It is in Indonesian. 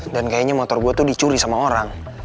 dan kayaknya motor gua tuh dicuri sama orang